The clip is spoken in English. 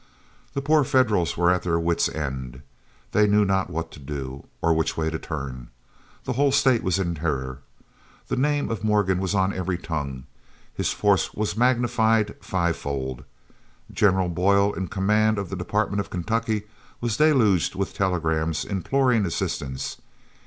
The poor Federals were at their wits' end; they knew not what to do, or which way to turn. The whole state was in terror. The name of Morgan was on every tongue; his force was magnified fivefold. General Boyle, in command of the Department of Kentucky, was deluged with telegrams imploring assistance.